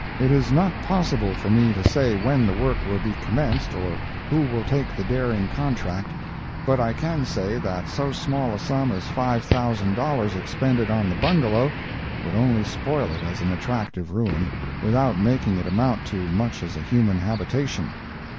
It is not possible for me to say when the work will be commenced or who will take the daring contract—but I can say that so small a sum as five thousand dollars expended on the Bungalow would only spoil it as an attractive ruin, without making it amount to much as a human habitation.